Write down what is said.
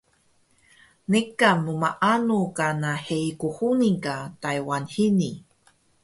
niqan mmaanu kana hei qhuni ga Taywan hini?